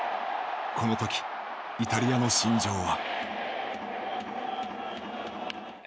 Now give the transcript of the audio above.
この時イタリアの心情は。